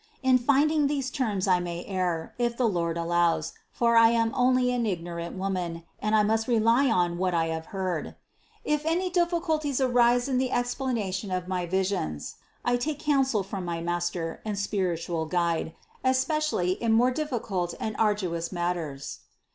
In finding these terms I may err, if the Lord allows, for I am only an ignorant woman and I must rely on what I have heard. If any difficulties arise in the explanation of my visions, I take counsel with my master and spir itual guide, especially in more difficult and arduous matters.